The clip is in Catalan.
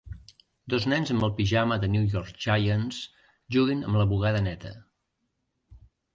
Dos nens amb el pijama de NY Giants, juguen amb la bugada neta.